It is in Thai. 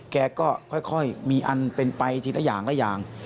แกก็ค่อยมีอันเป็นไปทีละอย่างละอย่าง